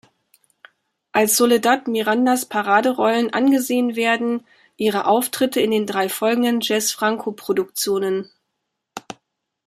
Als Soledad Mirandas Paraderollen angesehen werden ihre Auftritte in den drei folgenden Jess-Franco-Produktionen.